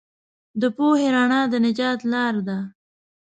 د پوهې رڼا د نجات لار ده.